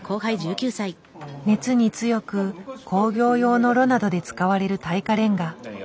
熱に強く工業用の炉などで使われる耐火レンガ。